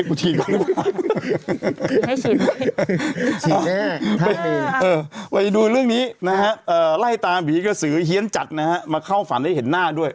ไปดูเรื่องนี้ไล่ตาบีเขาสือเฮียนจัดมาเข้าฝันได้เห็นหน้าด้วย